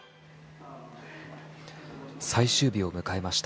最終日を迎えました